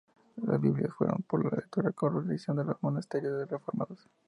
Las biblias fueron para la lectura coro lección en los monasterios reformados.